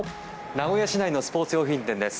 名古屋市内のスポーツ用品店です。